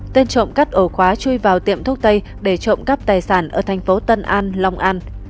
tên trộm cắt ổ khóa chui vào tiệm thuốc tây để trộm cắp tài sản ở thành phố tân an long an